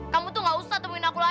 kamu tuh gak usah temuin aku lagi